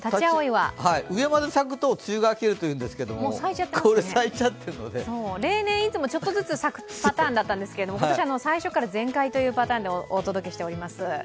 上まで咲くと梅雨が明けると言われるんですけど例年、いつもちょっとずつ咲くパターンだったんですけど今年は最初から全開というパターンでお届けしています。